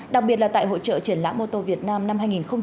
đặc biệt là tại hội trợ triển lãm ô tô việt nam năm hai nghìn một mươi chín